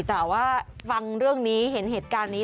แต่ว่าฟังเรื่องนี้เห็นเหตุการณ์นี้